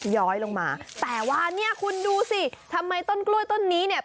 ย้อยลงมาแต่ว่าเนี่ยคุณดูสิทำไมต้นกล้วยต้นนี้เนี่ย